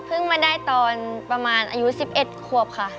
มาได้ตอนประมาณอายุ๑๑ขวบค่ะ